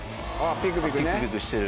ピクピクしてる。